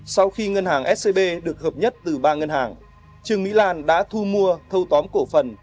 sau khi ngân hàng scb được hợp nhất từ ba ngân hàng trương mỹ lan đã thu mua thâu tóm cổ phần